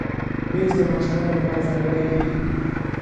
مېز د ماشومانو لپاره ځانګړی وي.